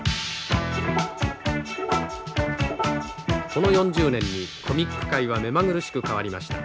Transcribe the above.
この４０年にコミック界は目まぐるしく変わりました。